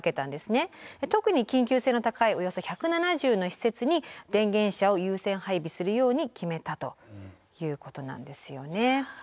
特に緊急性の高いおよそ１７０の施設に電源車を優先配備するように決めたということなんですよね。